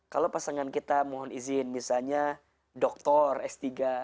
kalau pasangan kita mohon izin misalnya doktor s tiga